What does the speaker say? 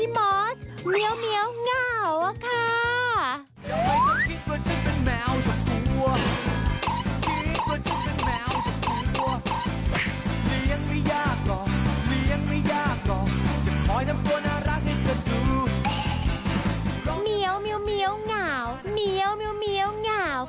เมียวเมียวเมียวเงาเมียวเมียวเมียวเงา